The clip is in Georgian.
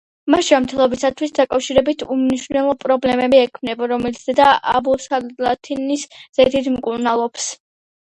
მას ჯანმრთელობასთან დაკავშირებით უმნიშვნელო პრობლემები ექმნება, რომელსაც დედა აბუსალათინის ზეთით მკურნალობს.